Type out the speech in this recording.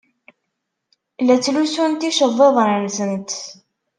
La ttlusunt iceḍḍiḍen-nsent.